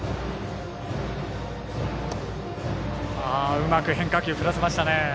うまく変化球振らせましたね。